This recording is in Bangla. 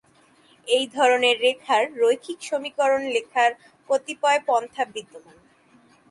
এই ধরনের রেখার রৈখিক সমীকরণ লেখার কতিপয় পন্থা বিদ্যমান।